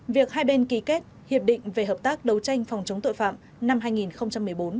việc hai bên ký kết hiệp định về hợp tác đấu tranh phòng chống tội phạm năm hai nghìn một mươi bốn